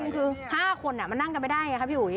คือ๕คนมานั่งไปได้ค่ะพี่หอย